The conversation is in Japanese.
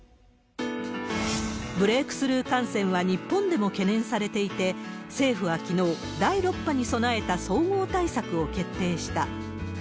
ブレークスルー感染は日本でも懸念されていて、政府はきのう、第６波に備えた総合対策を決定した。